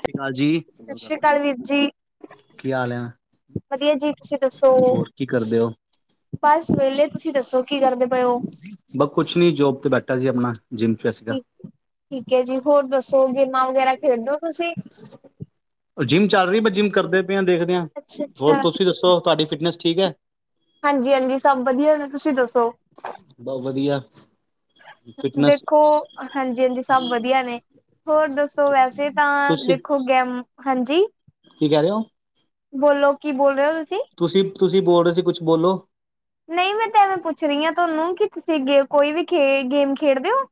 ਸਤਿ ਸ੍ਰੀ ਅਕਾਲ ਜੀ, ਸਤਿ ਸ੍ਰੀ ਅਕਾਲ ਵੀਰ ਜੀ, ਕੀ ਹਾਲ ਹੈ। ਵਧੀਆ ਜੀ, ਤੁਸੀਂ ਦੱਸੋ। ਹੋਰ ਕੀ ਕਰਦੇ ਹੋ? ਬਸ ਵਿਹਲੇ, ਤੁਸੀਂ ਦੱਸੋ, ਕੀ ਕਰਦੇ ਪਏ ਹੋ। ਬ' ਕੁਛ ਨੀ ਜੋਬ ਤੇ ਬੈਠਾ ਸੀ ਆਪਣਾ, ਜਿੰਮ ਚ' ਸੀਗਾ ਠੀਕ ਠੀਕ ਹੈ ਜੀ, ਹੋਰ ਦੱਸੋ, ਗੇਮਾਂ ਵਗੈਰਾ ਖੇਡਦੇੋ ਤੁਸੀਂ ਜਿੰਮ ਚੱਲ ਰਹੀ ਮੈਂ ਜਿੰਮ ਕਰਦੇ ਪਏ ਹਾਂ ਦੇਖਦਿਆ, ਅੱਛਾ ਹੋਰ ਅੱਛਾ, ਤੁਸੀਂ ਦੱਸੋ, ਤੁਹਾਡੀ ਫਿਟਨੈਸ ਠੀਕ ਹੈ। ਹਾਂਜੀ-ਹਾਂਜੀ ਸਭ ਵਧੀਆ ਨੇ, ਤੁਸੀਂ ਦੱਸੋ ਬਸ ਵਧੀਆ ਫਿਟਨੈਸ ਦੇਖੋ, ਹਾਂਜੀ-ਹਾਂਜੀ ਸਭ ਵਧੀਆ ਨੇ, ਹੋਰ ਦੱਸੋ, ਵੈਸੇ ਤਾਂ ਤੁਸੀਂ ਦੇਖੋ ਹੋ ਗਿਆ, ਹਾਂਜੀ ਕੀ ਕਹਿ ਰਹੇ ਹੋ ਬੋਲੋ, ਕੀ ਬੋਲ ਰਹੇ ਹੋ ਤੁਸੀਂ ਤੁਸੀਂ-ਤੁਸੀਂ ਬੋਲ ਰਹੇ ਸੀ ਕੁਛ, ਬੋਲੋ ਨਹੀਂ, ਮੈਂ ਤਾਂ ਐਵੇਂ ਪੁੱਛ ਰਹੀ ਹਾਂ ਤੁਹਾਨੂੰ, ਕਿ ਤੁਸੀਂ ਗੇ ਕੋਈ ਵੀ ਖੇ ਗੇਮ ਖੇਡਦੇ ਹੋ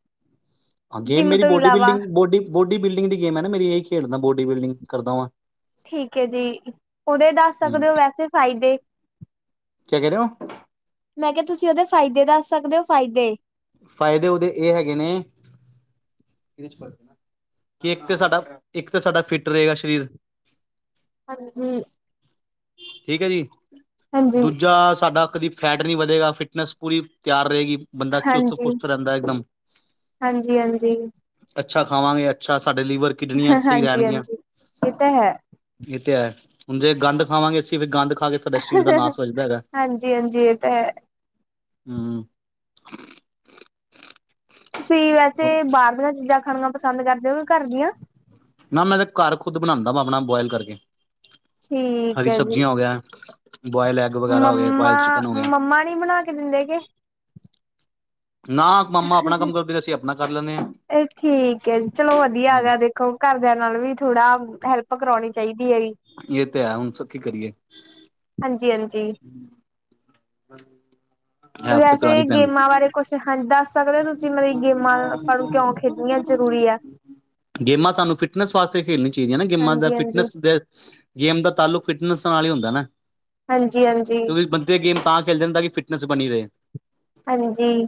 ਹਾਂ ਗੇਮ ਜਿੰਮ ਮੇਰੀ ਤੋਂ ਬੋਡੀ ਇਲਾਵਾ ਬਿਲਡਿੰਗ ਬੋਡੀ-ਬੋਡੀ ਬਿਲਡਿੰਗ ਦੀ ਗੇਮ ਹੈ ਨਾ ਮੇਰੀ ਇਹਹੀ ਖੇਡਦਾ ਬੋਡੀ ਬਿਲਡਿੰਗ ਕਰਦਾ ਵਾਂ ਠੀਕ ਹੈ ਜੀ, ਉਹਦੇ ਦੱਸ ਹੂੰ ਸਕਦੇ ਹੋ ਵੈਸੇ ਫਾਇਦੇ ਕਿਹਾ ਕਹਿ ਰਹੇ ਹੋ ਮੈਂ ਕਿਹਾ, ਤੁਸੀਂ ਇਹਦੇ ਫਾਇਦੇ ਦੱਸ ਸਕਦੇ ਹੋ, ਫਾਇਦੇ ਫਾਇਦੇ ਉਹਦੇ ਇਹ ਹੈਗੇ ਨੇ ਕਿ ਇੱਕ ਤਾਂ ਸਾਡਾ, ਇੱਕ ਤਾਂ ਸਾਡਾ ਫਿੱਟ ਰਹੇਗਾ ਸਰੀਰ ਹਾਂਜੀ ਠੀਕ ਹੈ ਜੀ, ਹਾਂਜੀ। ਦੂਜਾ ਸਾਡਾ ਕਦੀ ਫੈਟ ਨਹੀਂ ਵਧੇਗਾ, ਫਿਟਨੈਸ ਪੂਰੀ ਤਿਆਰ ਰਹੇਗੀ ਬੰਦਾ ਚੁਸਤ ਹਾਂਜੀ, ਫੁਸਤ ਰਹਿੰਦਾ, ਇਕਦਮ ਹਾਂਜੀ, ਹਾਂਜੀ, ਅੱਛਾ ਖਾਵਾਂਗੇ, ਅੱਛਾ ਸਾਡਾ ਲੀਵਰ ਕਿਡਨੀਆਂ ਸਹੀ ਰਹਿਣਗੀਆਂ ਹਾਂਜੀ-ਹਾਂਜੀ, ਇਹ ਤਾਂ ਹੈ। ਇਹ ਤੇ ਹੈ, ਹੁਣ ਜੇ ਗੰਦ ਖਾਵਾਂਗੇ ਅਸੀਂ ਫਿਰ ਗੰਦ ਖਾ ਕੇ ਆਪਣੇ ਸਰੀਰ ਦਾ ਨਾਸ ਵਜਦਾ ਹੈਗਾ ਹਾਂਜੀ, ਹਾਂਜੀ ਇਹ ਤਾਂ ਹੈ। ਤੁਸੀਂ, ਵੈਸੇ ਬਾਹਰ ਦੀਆਂ ਚੀਜ਼ਾਂ ਖਾਣਾ ਪਸੰਦ ਕਰਦੇ ਹੋ, ਕੇ ਘਰ ਦੀਆਂ ਨਾ, ਮੈਂ ਤਾਂ ਘਰ ਖੁਦ ਬਣਾਉਂਦਾ ਵਾ, ਆਪਣਾ ਬੋਆਇਲ ਕਰਕੇ ਠੀਕ ਹਰੀ ਹੈ ਜੀ ਸਬਜ਼ੀਆਂ ਹੋ ਗਿਆ ਬੋਇਲ ਐਗ ਵਗੈਰਾ ਹੋ ਗਏ ਮੰਮਾ, ਬੋਇਲ ਚਿਕਨ ਹੋ ਗਿਆ ਮੰਮਾ ਨੀ ਬਣਾ ਕੇ ਦਿੰਦੇ ਗੇ ਨਾ ਮੰਮਾ ਆਪਣਾ ਕੰਮ ਕਰਦੇ ਅਸੀਂ ਆਪਣਾ ਕਰ ਲੈਂਦੇ ਹਾਂ ਇਹ ਠੀਕ ਹੈ, ਚਲੋ ਵਧੀਆ ਹੂੰ, ਹੈਗਾ ਦੇਖ ਘਰਦਿਆਂ ਨਾਲ ਵੀ ਥੋੜਾ, ਹੈਲਪ ਕਰਾਉਣੀ ਚਾਹੀਦੀ ਹੈ ਜੀ ਇਹ ਤਾਂ ਹੈ, ਹੁਣ ਸ ਕੀ ਕਰੀਏ ਹਾਂਜੀ-ਹਾਂਜੀ, ਹੈਲਪ ਤੇ ਵੈਸੇ ਕਰਾਣੀ ਪੈਂਦੀ ਗੇਮਾਂ ਬਾਰੇ ਕੁਛ, ਹਾਂਜੀ ਦੱਸ ਸਕਦੇ ਹੋ ਤੁਸੀਂ ਮਤਰੀ ਗੇਮਾਂ ਕਿਉਂ ਖੇਡਣੀਆਂ ਜ਼ਰੂਰੀ ਹੈ। ਗੇਮਾਂ ਸਾਨੂੰ ਫਿਟਨੈਸ ਵਾਸਤੇ ਖੇਲੀਆਂ ਚਾਹੀਦੀਆਂ ਨਾ, ਗੇਮਾਂ ਦਾ ਹਾਂਜੀ-ਹਾਂਜੀ, ਫਿਟਨੈਸ ਦੇ ਗੇਮ ਦਾ ਤਾਲੁਕ ਫਿਟਨਸ ਨਾਲ ਹੀ ਹੁੰਦਾ ਨਾ ਹਾਂਜੀ ਹਾਂਜੀ। ਕਿਉਂਕਿ ਬੰਦੇ ਗੇਮ ਤਾਂ ਖੇਲਦੇ ਤਾਂ ਕਿ ਫਿਟਨੈਸ ਬਣੀ ਰਹੇ ਹਾਂਜੀ,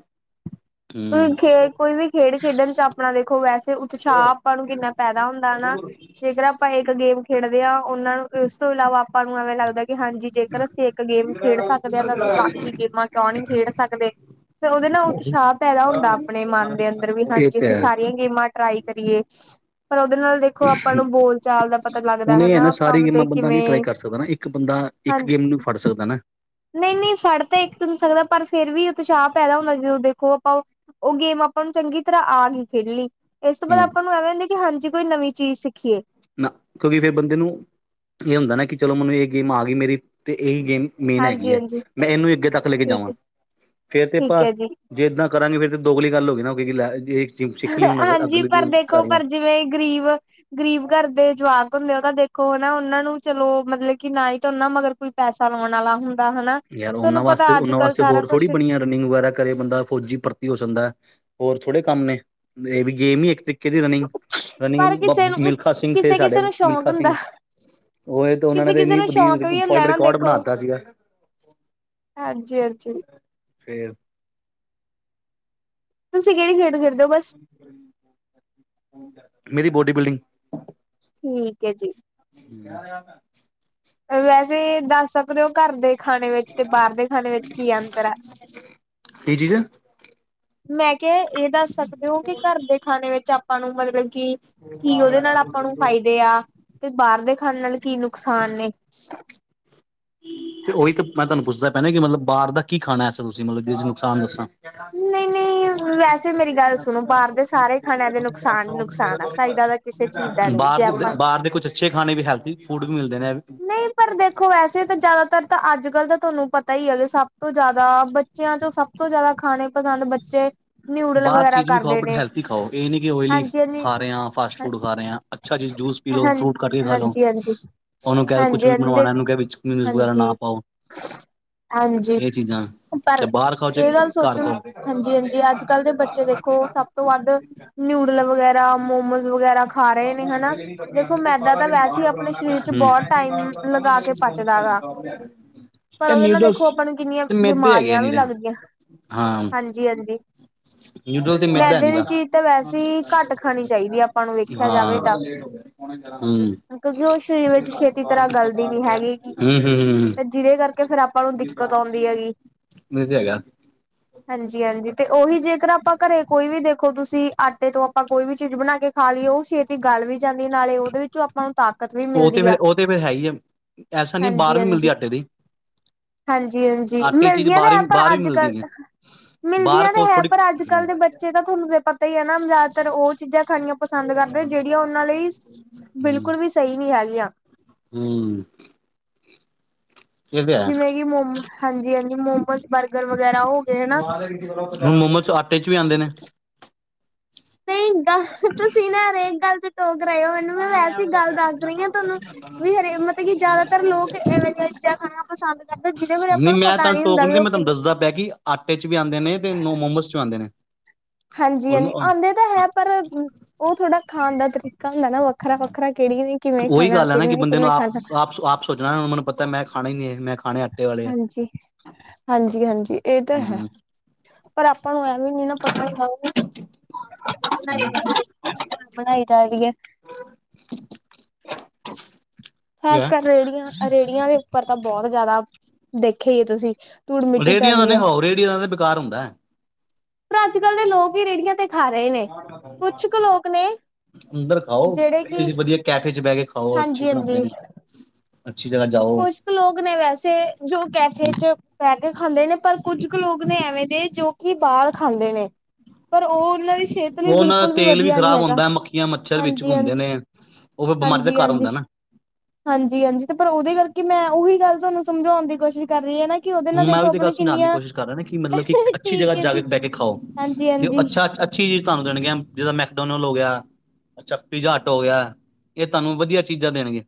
ਤੁ ਹੂੰ ਖੇ ਕੋਈ ਵੀ ਖੇਡ ਖੇਡਣ 'ਚ ਆਪਣਾ ਦੇਖੋ ਵੈਸੇ ਉਤਸ਼ਾਹ ਆਪਾਂ ਨੂੰ ਕਿੰਨਾ ਪੈਦਾ ਹੁੰਦਾ ਨਾ, ਜੇਕਰ ਆਪਾਂ ਇੱਕ ਗੇਮ ਖੇਡਦੇ ਹਾਂ ਉਹਨਾਂ ਨੂੰ ਇਸ ਤੋਂ ਇਲਾਵਾ ਆਪਾਂ ਨੂੰ ਐਵੇਂ ਲੱਗਦਾ ਕਿ ਹਾਂਜੀ ਜੇਕਰ ਅਸੀਂ ਇੱਕ ਗੇਮ ਖੇਡ ਸਕਦੇ ਹਾਂ, ਤਾਂ ਅਸੀਂ ਬਾਕੀ ਗੇਮਾਂ ਕਿਉਂ ਨਹੀਂ ਖੇਡ ਸਕਦੇ ਫੇਰ ਉਹਦੇ ਨਾਲ ਉਤਸ਼ਾਹ ਪੈਦਾ ਹੁੰਦਾ ਆਪਣੇ ਮਨ ਦੇ ਅੰਦਰ ਵੀ, ਇਹ ਹਾਂਜੀ ਤੇ ਅਸੀਂ ਹੈ ਸਾਰੀਆਂ ਗੇਮਾਂ ਟਰਾਈ ਕਰੀਏ ਪਰ ਉਹਦੇ ਨਾਲ ਦੇ ਹੁਣ ਇਹ ਹੈ ਹਨਾ ਨਾ, ਆਪਾਂ ਸਾਰੀ ਮਤਲਬ ਗੇਮਾਂ ਬੰਦਾ ਨਹੀ ਟਰਾਈ ਕਿਵੇਂ ਕਰ ਸਕਦਾ ਨਾ ਇੱਕ ਬੰਦਾ ਇੱਕ ਗੇਮ ਨੂੰ ਵੀ ਫੜ ਸਕਦਾ ਨਾ ਨਹੀਂ ਨਹੀਂ ਫੜ ਤਾਂ ਇੱਕ ਦਿਨ ਸਕਦਾ ਪਰ ਫੇਰ ਵੀ ਉਤਸ਼ਾਹ ਪੈਦਾ ਹੁੰਦਾ, ਜਰੂਰ ਦੇਖੋ ਆਪਾਂ ਉਹ ਗੇਮ ਆਪਾਂ ਨੂੰ ਚੰਗੀ ਤਰ੍ਹਾਂ ਆ ਗਈ ਖੇਡਣੀ ਇਸ ਤੋਂ ਬਾਅਦ ਹੂੰ ਆਪਾਂ ਨੂੰ ਐਵੇਂ ਹੁੰਦੀ, ਕਿ ਹਾਂਜੀ ਕੋਈ ਨਵੀਂ ਚੀਜ਼ ਸਿੱਖੀਏ ਨਾ, ਕਿਉਂਕਿ ਫਿਰ ਬੰਦੇ ਨੂੰ ਇਹ ਹੁੰਦਾ ਨਾ ਕਿ ਚਲੋ ਮੈਨੂੰ ਇਹ ਗੇਮ ਆ ਗਈ ਮੇਰੀ ਅਤੇ ਇਹੀ ਗੇਮ ਮੇਨ ਹੈਗੀ ਹੈ। ਹਾਂਜੀ-ਹਾਂਜੀ ਮੈਂ ਇਹਨੂੰ ਅੱਗੇ ਤੱਕ ਲੈ ਕੇ ਠੀਕ ਜਾਵਾਂ ਹੈ। ਫੇਰ ਤੇ ਠੀਕ ਆਪਾਂ ਹੈ ਜੀ ਜੇ ਇੱਦਾਂ ਕਰਾਂਗੇ ਫਿਰ ਤੇ ਦੋਗਲੀ ਗੱਲ ਹੋ ਗਈ ਨਾ, ਲੈ ਸਿੱਖ ਲਈ ਹੁਣ ਹਾਂਜੀ ਅਗਲੀ ਪਰ ਦੇਖੋ ਕਰ ਲੈ ਪਰ ਜਿਵੇਂ ਗ਼ਰੀਬ ਗ਼ਰੀਬ ਘਰ ਦੇ ਜਵਾਕ ਹੁੰਦੇ ਉਹ ਤਾਂ ਦੇਖੋ ਹਨਾ, ਨਾ ਉਹਨਾਂ ਨੂੰ ਚਲੋ ਮਤਲਬ ਕਿ ਨਾ ਹੀ ਕਰਨਾ ਉਹਨਾ ਅਗਰ ਕੋਈ ਪੈਸਾ ਲਾਉਣ ਵਾਲਾ ਹੁੰਦਾ, ਹਨਾ ਯਾਰ ਉਹਨਾਂ ਤੁਹਾਨੂੰ ਵਾਸਤੇ ਪਤਾ ਅੱਜ ਉਹਨਾਂ ਕੱਲ ਵਾਸਤੇ ਸਾਰਾ ਹੋਰ ਥੋੜੀ ਕੁਛ ਬਣੀਆਂ ਰਨਿੰਗ ਵਗੈਰਾ ਕਰੇ ਬੰਦਾ ਫੌਜੀ ਪਰਤੀ ਹੋ ਸਕਦਾ ਹੈ ਹੋਰ ਥੋੜੇ ਕੰਮ ਨੇ, ਇਹ ਵੀ ਗੇਮ ਹੀ ਇੱਕ ਰਨਿੰਗ ਰਨਿੰਗ, ਪਰ ਕਿਸੇ ਨੂੰ ਮਿਲਖਾ ਸਿੰਘ ਤੇ ਸਾਡੇ ਕਿਸੇ-ਕਿਸੇ ਨੂੰ ਸ਼ੌਕ ਮਿਲਖਾ ਹੁੰਦਾ ਸਿੰਘ ਤੇ ਉਹ ਨੇ ਕਿਸੇ-ਕਿਸੇ ਇੰਨੀ ਨੂੰ ਸ਼ੌਕ ਵ ਵੀ ਫੋ ਹੁੰਦਾ ਨਾ ਰਿਕਾਰਡ ਬਣਾ ਦਿੱਤਾ ਸੀਗਾ। ਹਾਂਜੀ ਹਾਂਜੀ। ਫੇਰ ਤੁਸੀਂ ਕਿਹੜੀ ਖੇਡ ਖੇਡਦੇ ਹੋ? ਮੇਰੀ ਬੋਡੀ ਬਿਲਡਿੰਗ ਠੀਕ ਹੈ ਜੀ। [inaudible] ਵੈਸੇ ਦੱਸ ਸਕਦੇ ਹੋ ਘਰ ਦੇ ਖਾਣੇ ਵਿੱਚ ਤੇ ਬਾਹਰ ਦੇ ਖਾਣੇ ਵਿੱਚ ਕੀ ਅੰਤਰ ਹੈ? ਕੀ ਚੀਜ਼ ਮੈਂ ਕਿਹਾ ਇਹ ਦੱਸ ਸਕਦੇ ਹੋ ਕਿ ਘਰ ਦੇ ਖਾਣੇ ਵਿੱਚ ਆਪਾਂ ਨੂੰ ਮਤਲਬ ਕਿ ਕੀ ਉਹਦੇ ਨਾਲ ਆਪਾਂ ਨੂੰ ਫਾਇਦੇ ਆ, ਤੇ ਬਾਹਰ ਦੇ ਖਾਣ ਨਾਲ ਕੀ ਨੁਕਸਾਨ ਨੇ ਤੇ ਉਹੀ ਤਾਂ ਮੈਂ ਤੁਹਾਨੂੰ ਪੁੱਛਦਾ ਪੈਣਾ ਕਿ ਮਤਲਬ ਬਾਹਰ ਦਾ ਕੀ ਖਾਣਾ ਐਸਾ ਤੁਸੀਂ ਮਤਲਬ, ਜਿਸ ਨੁਕਸਾਨ ਦੱਸਾਂ ਨਹੀਂ ਨਹੀਂ- ??? ਵੈਸੇ ਮੇਰੀ ਗੱਲ ਸੁਣੋ ਬਾਹਰ ਦੇ ਸਾਰੇ ਖਾਣਿਆਂ ਦੇ ਨੁਕਸਾਨ ਨੁਕਸਾਨ ਆ ਫਾਇਦਾ ਤਾਂ ਕਿਸੇ ਚੀਜ਼ ਦਾ ਨਹੀਂ ਜੇ ਬਾਹਰ ਆਪਾਂ ਬਾਹਰ ਦੇ ਕੁਛ ਅੱਛੇ ਖਾਣੇ ਵੀ ਹੈਲਥੀ ਫੂਡ ਵੀ ਮਿਲਦੇ ਨੇ ਨਹੀਂ ਪਰ ਦੇਖੋ ਵੈਸੇ ਤਾਂ ਜ਼ਿਆਦਾਤਰ ਤਾਂ ਅੱਜ ਕੱਲ ਤਾਂ ਤੁਹਾਨੂੰ ਪਤਾ ਹੀ ਹੈਗਾ ਸਭ ਤੋਂ ਜ਼ਿਆਦਾ ਬ ਬੱਚਿਆਂ ਚੋਂ ਸਭ ਤੋਂ ਜਿਆਦਾ ਖਾਣੇ ਪਸੰਦ ਬੱਚੇ ਨਿਊਡਲ ਬਾਹਰ ਵਗੈਰਾ ਚੀਜ਼ ਵੀ ਖਾਓ ਕਰਦੇ ਬਟ ਨੇ ਹੈਲਥੀ ਖਾਓ, ਇਹ ਨੀ ਕਿ ਓਇਲੀ ਹਾਂਜੀ ਹਾਂਜੀ ਖਾ ਰਹੇ ਹ ਫਾਸਟ ਫੂਡ ਖਾ ਰਹੇ ਹਾਂ ਅੱਛਾ ਚੀਜ਼ ਜੂਸ ਪੀ ਲੋ ਹਾਂ ਫਰੂਟ ਕੱਟ ਕੇ ਖਾ ਲੋ ਹਾਂਜੀ ਹਾਂਜੀ ਉਹਨੂੰ ਕਹਿ ਕੁਛ ਹਾਂਜੀ ਵੀ ਬਨਵਾਉਣਾ, ਹਾਂਜੀ ਇਹਨੂੰ ਕਿਹਾ ਮਯੋਨੀਸ ਵਗੈਰਾ ਨਾ ਹਾਂਜੀ ਪਾਓ ਹਾਂਜੀ ਇਹ ਚੀਜ਼ਾਂ 'ਚ ਪਰ ਬਾਹਰ ਖਾਓ ਚਾਹੇ ਇਹ ਗੱਲ ਘਰ ਸੋਚਣ ਖਾਓ?? ਸਾਰਾ ਹਾਂਜੀ ਦਿਨ ਹਾਂਜੀ ਅੱਜ ਕੱਲ੍ਹ ਗਾਂਦ ਦੇ ਬੱਚੇ ਦੇਖੋ ਸਭ ਤੋਂ ਵੱਧ ਨਿਊਡਲ ਵਗੈਰਾ ਮੋਮੋਸ ਵਗੈਰਾ ਖਾ ਰਹੇ ਨੇ ਹਨਾ ਦੇਖੋ ਮੈਦਾ ਤਾਂ ਵੈਸੇ ਹੀ ਆਪਣੇ ਮਰੋਂਦਾ ਸਰੀਰ ਚ ਬਹੁਤ ਟਾਈਮ ਪੈਨਚੋ ਲਗਾ ਕੇ ਪਚਦਾ ਗਾ [unintelligible] ਹਮ ਪਰ ਇਹ ਉਹਦੇ ਨਾਲ ਨਿੂਡਲਸ, ਦੇਖੋ ਆਪਾਂ ਨੂੰ ਕਿੰਨੀਆਂ ਤੇ ਮੈਦੇ ਹੈਗੇ ਨੇ ਨਿਰੇ ਜੀ ਹਾਂਜੀ [inaudible] ਨੂਡਲ ਤੇ ਮੈਦਾ ਹੈਨੀਂ ਗਾ, ਤਾਂ ਵੈਸੇ ਹੀ ਘੱਟ ਖਾਣੀ ਚਾਹੀਦੀ ਆ ਆਪਾਂ ਨੂੰ ਵੇਖਿਆ ਹਾਂ ਜਾਵੇ ਹੂੰ ਤਾਂ ਹੂੰ, ਹੂੰ, ਕਿਉਂਕਿ ਉਹ ਸਰੀਰ ਹੂੰ ਏ ਵਿੱਚ ਛੇਤੀ ਤਰ੍ਹਾਂ ਗਲਦੀ ਨੀ ਹੈਗੀ ਗੀ ਤੇ ਜਿਹਦੇ ਕਰਕੇ ਫੇਰ ਆਪਾਂ ਨੂੰ ਦਿੱਕਤ ਆਉਂਦੀ ਹੈਗੀ। ਤਾਂ ਹੈਗਾ। ਹਾਂਜੀ-ਹਾਂਜੀ, ਤੇ ਉਹੀ ਜੇਕਰ ਆਪਾਂ ਘਰੇ ਕੋਈ ਵੀ ਦੇਖੋ ਤੁਸੀਂ, ਆਟੇ ਤੋਂ ਆਪਾਂ ਕੋਈ ਵੀ ਚੀਜ਼ ਬਣਾਕੇ ਖਾਲੀਏ ਉਹ ਛੇਤੀ ਗੱਲ ਵੀ ਜਾਂਦੀਏ, ਨਾਲੇ ਉਹਦੇ ਵਿੱਚੋਂ ਆਪਾਂ ਨੂੰ ਤਾਕਤ ਵੀ ਉਹ ਤੇ ਮਿਲਦੀ ਫਿਰ, ਆ। ਉਹ ਤੇ ਫਿਰ ਹੈਹੀਏ। ਐਸਾ ਨਈ ਹੈ ਬਾਹਰ ਵੀ ਮਿਲਦੀ ਹਾਂਜੀ-ਹਾਂਜੀ, ਏ, ਆਟੇ ਦੀ। ਹਾਂਜੀ-ਹਾਂਜੀ ਆਟੇ ਚੀਜ਼ ਮਿਲਦੀਆਂ ਤਾਂ ਹੈ ਬਾਹਰਵ, ਬਾਹਰ ਪਰ ਵੀ ਅੱਜ-ਕੱਲ ਮਿਲਦੀ ਏ। ਬਾਹਰ ਮਿਲਦੀਆਂ ਤਾਂ ਕੁਛ ਹੈ ਥੋੜੀ [inaudible] ਪਰ ਅੱਜ ਕੱਲ੍ਹ ਦੇ ਬੱਚੇ ਤਾਂ ਤੁਹਾਨੂੰ ਤਾਂ ਪਤਾ ਹੀ ਹੈ ਨਾ ਜ਼ਿਆਦਾਤਰ ਉਹ ਚੀਜ਼ਾਂ ਖਾਣੀਆਂ ਪਸੰਦ ਕਰਦੇ ਜਿਹੜੀਆਂ ਉਹਨਾਂ ਲਈ ਬਿਲਕੁਲ ਵੀ ਸਹੀ ਨੀ ਹੈਗੀਆ। ਹੂੰ ਇਹ ਤੇ ਹੈ। ਜਿਵੇਂ ਕਿ ਮੋਮੋ, ਹਾਂਜੀ- ਹਾਂਜੀ ਮੋਮੋਜ, ਬਰਗਰ ਵਗੈਰਾ ਹੋ ਗਏ ਹਨਾ ਮੋਮੋਜ, ਆਟੇ'ਚ ਵੀ ਆਂਦੇ ਨੇ। ਨਈ ਏਦਾਂ, ਤੁਸੀਂ ਨਾ ਹਰ ਇੱਕ ਗਲ'ਚ ਕਰ ਰਹੇ ਓ ਮੈਨੂੰ, 'ਮੈਂ' ਵੈਸੇ ਗੱਲ ਦੱਸ ਰਹੀ ਹਾਂ ਤੁਹਾਨੂੰ, ਵੀ ਹਰੇ ਮਤਲਬ ਕਿ ਜ਼ਿਆਦਾਤਰ ਲੋਕ ਇਵੇਂ ਪੀਜ਼ਾ ਖਾਣਾ ਪਸੰਦ ਕਰਦਾ, ਜਿਹਦੇ ਬਾਰੇ ਆਪਾਂ ਨਹੀਂ ਨੂੰ ਮੈਂ ਪਤਾ ਤੁਹਾਨੂੰ ਨੀ ਟੋਕ ਹੁੰਦਾ ਵੀ ਰਿਹਾ, ਉਹ ਮੈਂ ਤੁਹਾਨੂੰ ਕਿਵੇਂ [inaudible] ਦੱਸਦਾ ਪਿਆ ਆਂਦੇ ਨੇ ਹਾਂਜੀ-ਹਾਂਜੀ ਆਉਂਦੇ ਤਾਂ ਹੈ ਪਰ, ਉਹ ਥੋੜਾ ਖਾਣ ਦਾ ਤਰੀਕਾ ਹੁੰਦਾ ਨਾ ਵੱਖਰਾ-ਵੱਖਰਾ ਕਿਹੜੀਆਂ ਨੇ, ਕਿਵੇਂ ਉਹੀ ਖਾਣਾ ਗੱਲ ਹੈ ਨਾ ਕਿ ਬੰਦੇ ਨੂੰ ਕਿਵੇਂ-ਕਿਵੇਂ ਆਪ ਖਾਣਾ ਆਪ ਆਪ ਸੋਚਣਾ ਮਨੂੰ ਪਤਾ, ਮੈਂ ਖਾਣਾ ਈ ਏ, ਮੈਂ ਖਾਣੇ ਵਾਲੇ ਆ ਹਾਂਜੀ, ਹਾਂਜੀ-ਹਾਂਜੀ ਇਹ ਤਾਂ ਹੈ। ਹਮ ਪਰ ਆਪਾਂ ਨੂੰ ਐਵੀ ਨੀ ਨਾ, ਪਤਾ ਹੁੰਦਾ ਹਮ ਨਹੀ-ਨਹੀ, ਪ੍ਹੜਾਈ ਚਲ ਰਹੀ ਏ। ਖਾਸਕਰ ਰੇਹੜੀਆਂ, ਰੇਹੜੀਆਂ ਦੇ ਉੱਪਰ ਤਾਂ ਬਹੁਤ ਜ਼ਿਆਦਾ, ਦੇਖਿਆ ਈ ਆ, ਤੁਸੀ। ਰੇਹਡੀਆਂ ਦਾ ਨੀ ਖਾਓ, ਰੇਹਡੀਆਂ ਦਾ ਤਾਂ ਬੇਕਾਰ ਹੁੰਦਾ। ਪਰ, ਅੱਜ-ਕੱਲ ਦੇ ਲੋਕ ਹੀ ਰੇੜੀਆਂ ਤੇ ਖਾ ਰਹੇ ਨੇ, ਕੁਛ ਕ‌ ਲੋਕ ਨੇ ਜਿਹੜੇ ਕਿ ਕੈਫੇ'ਚ ਬਹਿਕੇ ਖਾਓ, ਅੱਛੀ ਹਾਂਜੀ ਬਣਾਉਂਦੇ ਨੇ, ਅੱਛੀ ਜਗ੍ਹਾ ਜਾਓ। ਕੁੁਛ ਕ ਲੋਕ ਨੇ ਵੈਸੇ, ਜੋ ਉਹ ਕੈਫੇ'ਚ ਬਹਿਕੇ ਖਾਂਦੇ ਨੇ ਪਰ ਕੁੱਝ ਕ ਲੋਕ ਨੇ ਐਵੇਂ ਦੇ, ਜੋ ਕਿ ਬਾਹਰ ਖਾਂਦੇ ਨੇ, ਪਰ ਉਹ ਇਹਨਾਂ ਦੀ ਸਿਹਤ ਲਈ ਉਹਨਾਂ ਬਿਲਕੁਲ ਦਾ ਵੀ ਤੇਲ ਵਧੀਆ ਨੀ ਖ਼ਰਾਬ ਹੈਗਾ, ਹੁੰਦਾ ਮੱਖੀਆਂ ਮੱਛਰ ਵਿੱਚ ਘੁੰਮਦੇ ਹਾਂਜੀ-ਹਾਂਜੀ। ਨੇ ਉਹ ਫਿਰ ਬਿਮਾਰੀ ਦਾ ਘਰ ਹਾਂਜੀ-ਹਾਂਜੀ। ਹੁੰਦਾ ਨਾ ਹਾਂਜੀ-ਹਾਂਜੀ, ਤੇ ਪਰ ਉਹਦੇ ਕਰਕੇ 'ਮੈਂ'ਉਹੀ ਗੱਲ ਤੁਹਾਨੂੰ ਸਮਝਾਉਣ ਦੀ ਕੋਸ਼ਿਸ਼ ਕਰ ਰਹੀ ਹਾਂ ਨਾ ਕਿ ਉਹਦੇ ਨਾਲ ਹੁਣ ਮੈਂ ਦੇਖੋ ਵੀ ਤੇ ਗੱਲ ਆਪਣੇ ਸਮਝਾਉਣ ਦੀ ਕਿੰਨੀਆਂ ਕੋਸ਼ਿਸ਼ ਕਰ ਰਿਹਾ ਨਾ, ਕਿ ਮਤਲਬ ਕਿ ਅੱਛੀ ਜਗ੍ਹਾ ਠੀਕ ਹੈ ਜਾ ਜੀ ਬਹਿਕੇ ਖਾਓ, ਹਾਂਜੀ ਕਿ ਜੇ ਓਹ ਹਾਂਜੀ ਅੱਛਾ- ਅੱਛਾ ਚੀਜ਼ ਤੁਹਾਨੂੰ ਦੇਣਗੀਆਂ, ਜਿਦਾਂ ਮੈਕਡੋਨਲ ਹੋਗਿਆ। ਅੱਛਾ, ਪੀਜ਼ਾ ਹਟ ਹੋਗਿਆ ਇਹ ਤੁਹਾਨੂੰ ਵਧੀਆ ਚੀਜ਼ਾਂ ਦੇਣਗੀਆਂ।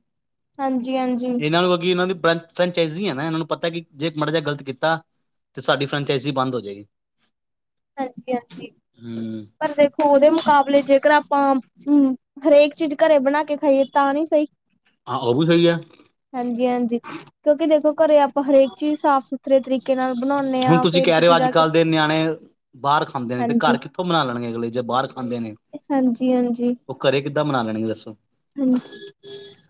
ਹਾਂਜੀ-ਹਾਂਜੀ। ਇਹਨਾਂ ਨੂੰ ਕਿ, ਇਹਨਾਂ ਦੀ ਬ੍ਰ ਫਰੈਂਚਾਈਜ਼ ਆ ਨਾ ਇਹਨਾਂ ਨੂੰ ਪਤਾ ਕਿ ਜੇ ਇੱਕ ਮਾੜਾ ਜਿਹਾ ਗਲਤ ਕੀਤਾ, ਤੇ ਸਾਡੀ ਫਰੈਂਚਾਈਜ਼ੀ ਬੰਦ ਹੋ ਜਾਏਗੀ ਹਾਂਜੀ-ਹਾਂਜੀ। ਹੂੰ ਪਰ ਵੇਖੋ ਉਹਦੇ ਮੁਕਾਬਲੇ ਜੇਕਰ ਆਪਾਂ, ਅਂ ਹਰੇਕ ਚੀਜ਼ ਘਰੇ ਬਣਾਕੇ ਖਾਈਏ, ਤਾਂ ਨਈ ਸਹੀ। ਹਾਂ, ਉਹ ਵੀ ਸਹੀ ਐ। ਹਾਂਜੀ-ਹਾਂਜੀ, ਕਿਉਂਕਿ ਦੇਖੋ ਘਰੇ ਆਪਾਂ ਹਰੇਕ ਚੀਜ਼ ਸਾਫ਼-ਸੁਥ ਸੁਥਰੇ ਤਰੀਕੇ ਨਾਲ ਬਣਾਉਂਨੇ ਹੁਣ ਤੁਸੀਂ ਕਹਿ ਰਹੇ ਹੋ ਅੱਜ ਕਲ ਦੇ ਨਿਆਣੇ, ਬਾਹਰ ਖਾਂਦੇ ਨੇ ਤੇ ਘਰ ਹਾਂਜੀ ਕਿੱਥੋ ਬਣਾ ਲੈਣਗੇ ਅਗਲੇ, ਜੇ ਬਾਹਰ ਖਾਂਦੇ ਨੇ। ਹਾਂਜੀ-ਹਾਂਜੀ। ਉਹ ਘਰੇ ਕਿੱਦਾਂ ਬਣਾ ਲੈਣਗੇ ਦੱਸੋ ਹਾਂਜੀ,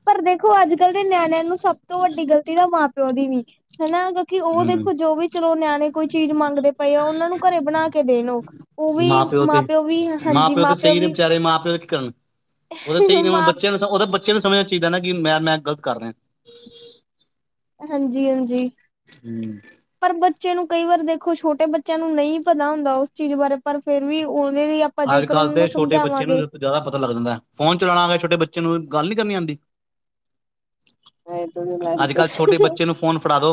ਪਰ ਦੇਖੋ ਅੱਜ-ਕੱਲ ਦੇ ਨਿਆਣਿਆਂ ਨੂੰ ਸਭ ਤੋਂ ਵੱਡੀ ਗ਼ਲਤੀ ਦਾ ਮਾ ਪ ਤੇ ਉਹਦੀ ਵੀ ਹਨਾਂ! ਕਿਉਂਕਿ ਉਹ ਹਮ ਦੇਖੋ ਜੋ ਵੀ ਚਲੋ ਨਿਆਣੇ ਕੋਈ ਚੀਜ਼ ਮੰਗਦੇ ਪਏ ਆ ਉਹਨਾਂ ਨੂੰ ਘਰੇ ਬਣਾ ਕੇ ਦੇਣ ਓਹ। ਮਾਂ ਪਿਓ ਤੇ, ਮਾਂ ਪਿਓ ਤੇ ਸਹੀ ਨੇਂ ਵਿਚਾਰੇ ਮਾਂ ਪਿਓ ਕੀ ਕਰਨ। ਉਹਦਾ ਚਾਹੀ ਹੁਣ ਮਾਂ ਬੱਚਿਆਂ ਨੂੰ ਉਹਦਾ ਬੱਚਿਆਂ ਨੂੰ ਸਮਝਣਾ ਚਾਹੀਦਾ ਨਾਂ ਕਿ ਮੈਂ ਮੈਂ ਗਲਤ ਕਰ ਰਿਹਾ। ਹਾਂਜੀ ਹਾਂਜੀ। ਹਂ ਪਰ ਬੱਚੇ ਨੂੰ ਕਈ ਵਾਰ ਦੇਖੋ ਛੋਟੇ ਬੱਚਿਆਂ ਨੂੰ ਨਈਂ ਪਤਾ ਹੁੰਦਾ ਉਸ ਚੀਜ਼ ਬਾਰੇ ਪਰ ਫੇਰ ਵੀ ਉਹਦੇ ਲਈ ਅਪ ਅੱਜ-ਕੱਲ੍ਹ ਤੇ ਛੋਟੇ ਬੱਚੇ ਨੂੰ ਸਬ ਤੋਂ ਜ਼ਿਆਦਾ ਪਤਾ ਲੱਗ ਜਾਂਦਾ, ਫੋਨ ਚਲਾਣਾ ਆਵੇ ਛੋਟੇ ਬੱਚੇ ਨੂੰ ਗੱਲ ਨੀਂ ਕਰਨੀ ਆਂਦੀ। ਹਾਂਜੀ ਅੱਜ-ਕੱਲ੍ਹ ਛੋਟੇ ਬੱਚੇ ਨੂੰ ਫੋਨ ਫੜਾ ਦੋ,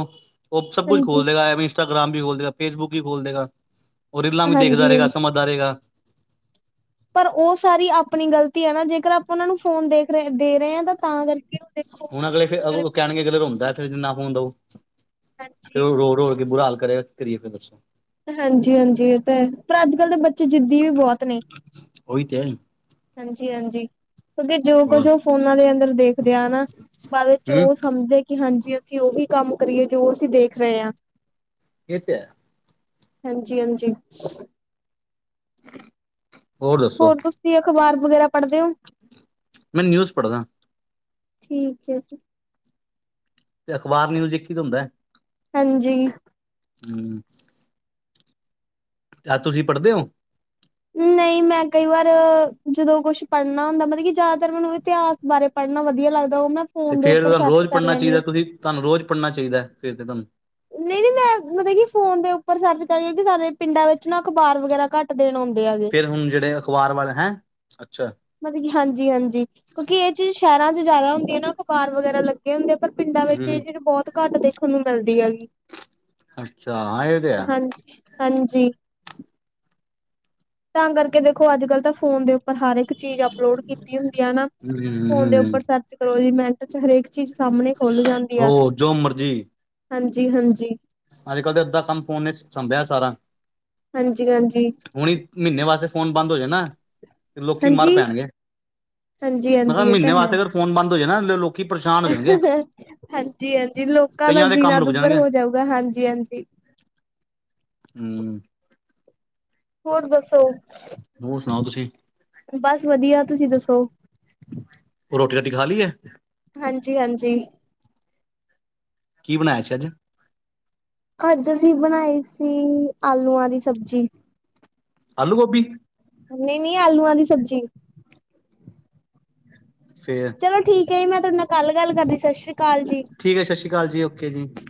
ਉਹ ਸਭ ਕੁਛ ਹਾਂਜੀ ਖੋਲਦੇਗਾ ਏਵੇਂ ਈ ਇੰਸਟਾਗ੍ਰਾਮ ਵੀ ਖੋਲ ਦੇਗਾ, ਫੇਸਬੁੱਕ ਵੀ ਖੋਲ ਦੇਗਾ, ਔ ਰੀਲਾਂ ਵੀ ਦੇਖਦਾ ਹਾਂਜੀ ਰਹੇਗਾ ਸਮਝਦਾ ਰਹੇਗਾ। ਪਰ ਉਹ ਸਾਰੀ ਆਪਣੀ ਗ਼ਲਤੀ ਆ ਨਾਂ ਜੇਕਰ ਆਪਾਂ ਉਹਨਾਂ ਨੂੰ ਫੋਨ ਦੇਖ ਰਹੇ ਦੇ ਰਹੇ ਆਂ ਤਾਂ ਕਰਕੇ ਦੇਖੋ ਹੁਣ ਅਗਲੇ ਫੇ ਮਤਲਬ ਅਗੋਂ ਕਹਿਣਗੇ ਅਗਲੇ ਰੋਂਦਾ ਫੇਰ ਜੇ ਨਾਂ ਫੋਨ ਦੋ। ਹਾਂਜੀ ਫੇਰ ਉਹ ਰੋ-ਰੋ ਕੇ ਬੁਰਾ ਹਾਲ ਕਰੇਗਾ ਕੀ ਕਰੀਏ ਫੇਰ ਦੱਸੋ? ਹਾਂਜੀ ਹਾਂਜੀ, ਇਹ ਤਾਂ ਹੈਂ ਪਰ ਅੱਜ-ਕਲ੍ਹ ਦੇ ਬੱਚੇ ਜਿੱਦੀ ਵੀ ਬਹੁਤ ਨੇਂ। ਉਹੀ ਤੇ ਹੈ ਹਾਂਜੀ ਹਾਂਜੀ। ਕਿਉਂਕਿ ਜੋ ਕੁਝ ਹੋਰ ਉਹ ਫੋਨਾਂ ਦੇ ਅੰਦਰ ਦੇਖਦੇ ਆ ਨਾਂ ਬਾਅਦ ਚ ਹਮ ਉਹ ਸਮਝਦੇ ਕਿ ਹਾਂਜੀ ਅਸੀਂ ਉਹੀ ਕੰਮ ਕਰੀਏ, ਜੋ ਅਸੀਂ ਦੇਖ ਰਹੇ ਆਂ। ਇਹ ਤੇ ਹੈ। ਹਾਂਜੀ ਹਾਂਜੀ। ਹੋਰ ਤੁਸੀਂ ਅਖ਼ਬਾਰ ਵਗੈਰਾ ਪੜ੍ਹਦੇ ਔਂ? ਮੈਂ ਨਿਊਜ਼ ਪੜਦਾਂ। ਠੀਕ ਹੈ ਜੀ। ਤੇ ਅਖਬਾਰ, ਨਿਊਜ਼ ਇੱਕ ਈ ਤੇ ਹੁੰਦਾ ਐ। ਹਾਂਜੀ। ਹਂ ਤੇ ਆਂ ਤੁਸੀਂ ਪੜ੍ਹਦੇ ਔਂ। ਨਈਂ ਮੈਂ ਕਈ ਵਾਰ, ਜਦੋਂ ਕੁਛ ਪੜ੍ਹਨਾ ਹੁੰਦਾ ਮਤਲਬ ਕਿ ਜ਼ਿਆਦਾਤਰ ਮੈਨੂੰ ਇਤਿਹਾਸ ਬਾਰੇ ਪੜ੍ਹਨਾ ਵਧੀਆ ਲੱਗਦਾ ਉਹ ਮੈਂ ਤੇ ਫੋਨ ਦੇ ਫੇਰ ਉੱਪਰ ਤੁਹਾਨੂੰ ਸਰਚ ਰੋਜ਼ ਕਰ ਪੜ੍ਹਨਾ ਲੈਣੀ ਚਾਹੀਦਾ ਆਂ। ਤੁਸੀਂ ਤੁਹਾਨੂੰ ਰੋਜ਼ ਪੜ੍ਹਨਾ ਚਾਈਦਾ, ਫੇਰ ਤੇ ਤੁਹਾਨੂੰ। ਨਈਂ ਨਈਂ, ਮੈਂ ਮਤਲਬ ਕਿ ਫੋਨ ਦੇ ਉੱਪਰ ਸਰਚ ਕਰ ਸਾਡੇ ਪਿੰਡਾਂ ਵਿੱਚ ਨਾਂ ਅਖਬਾਰ ਵਗੈਰਾ ਘੱਟ ਦਿਨ ਹੁੰਦੇ ਆਗੇ। ਫੇਰ ਹੁਣ ਜਿਹੜੇ ਅਖ਼ਬਾਰ ਵਾਲੇ, ਹੈਂ? ਅੱਛਾ। ਮਤਲਬ ਕੀ ਹਾਂਜੀ ਹਾਂਜੀ, ਕਿਉਂਕਿ ਇਹ ਚੀਜ਼ ਸ਼ਹਿਰਾਂ ਚ ਜ਼ਿਆਦਾ ਹੁੰਦੀ ਐ ਨਾਂ ਅਖਬਾਰ ਵਗੈਰਾ ਲਗ ਗੇ ਹੁੰਦੇ ਆ ਪਰ ਪਿੰਡਾਂ ਵਿੱਚ ਹਮ ਇਹ ਚੀਜ਼ ਬਹੁਤ ਘੱਟ ਦੇਖਣ ਨੂੰ ਮਿਲਦੀ ਹੈਗੀ। ਅੱਛਾ ਹਾਂ ਇਹ ਤੇ ਹੈ ਹਾਂਜੀ, ਹਾਂਜੀ। ਤਾਂ ਕਰਕੇ ਦੇਖੋ ਅੱਜ-ਕੱਲ ਤਾਂ ਫੋਨ ਦੇ ਉੱਪਰ ਹਰ ਇੱਕ ਚੀਜ਼ ਅਪਲੋਡ ਕੀਤੀ ਹੁੰਦੀ ਆ ਨਾਂ। ਫੋਨ ਦੇ ਹੂੰ ਉੱਪਰ ਸਰਚ ਕਰੋ ਜੀ ਮਿੰਟ ਚ ਹਰੇਕ ਚੀਜ਼ ਸਾਹਮਣੇ ਖੁੱਲ ਜਾਂਦੀ ਆ। ਹੋ ਜੋ ਮਰਜੀ ਹਾਂਜੀ ਹਾਂਜੀ। ਅੱਜ-ਕੱਲ੍ਹ ਤੇ ਅਦਾਂ ਕੰਮ ਫੋਨ ਨੇਂ ਸਾਂਭਿਆ ਸਾਰਾ। ਹਾਂਜੀ ਹਾਂਜੀ। ਹੁਣੀ ਮਹੀਨੇ ਵਾਸਤੇ ਫੋਨ ਬੰਦ ਹੋ ਜੇ ਨਾਂ ਤੇ ਲੋਕੀ ਮਰ ਹਾਂਜੀ ਪੈਣਗੇ, ਹਾਂਜੀ ਮੈਂ ਕਿਹਾ ਹਾਂਜੀ ਇਹ ਮਹੀਨੇ ਤਾਂ ਹੈ ਵਾਸਤੇ ਅਗਰ ਫੋਨ ਬੰਦ ਹੋ ਜੇ ਨਾਂ ਲ ਲੋਕੀ ਪਰੇਸ਼ਾਨ ਹੋ ਜਾਣਗੇ ਹਾਂਜੀ ਹਾਂਜੀ, ਲੋਕਾਂ ਦਾ ਕਈਆਂ ਦੇ ਕੰਮ ਜੀਣਾ ਰੁਕ ਦੁੱਭਰ ਜਾਣਗੇ ਹੋ ਜਾਊਗਾ ਹਾਂਜੀ ਹਾਂਜੀ। ਹਂ। ਹੋਰ ਦਸੋ? ਹੋਰ ਸੁਣਾਓ ਤੁਸੀਂ? ਬਸ ਵਧੀਆ ਤੁਸੀਂ ਦੱਸੋ? ਰੋਟੀ ਰਾਟੀ ਖਾ ਲਈ ਹੈ ਹਾਂਜੀ ਹਾਂਜੀ। ਕੀ ਬਣਾਇਆ ਸੀ ਅੱਜ ਅੱਜ ਅਸੀਂ ਬਣਾਈ ਸੀ ਆਲੂਆਂ ਦੀ ਸਬਜ਼ੀ ਆਲੂ ਗੋਭੀ ਨਹੀਂ ਨਹੀਂ ਆਲੂਆਂ ਦੀ ਸਬਜ਼ੀ ਫੇਰ ਚਲੋ ਠੀਕ ਹੈ ਜੀ ਮੈਂ ਤੁਹਾਡੇ ਨਾਲ ਕੱਲ ਗੱਲ ਕਰਦੀ ਸਤਿ ਸ਼੍ਰੀ ਅਕਾਲ ਜੀ। ਠੀਕ ਹੈ ਸਤਿ ਸ਼੍ਰੀ ਅਕਾਲ ਜੀ ਓਕੇ ਜੀ।